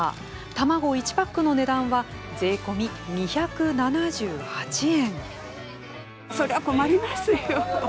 卵１パックの値段は税込み２７８円。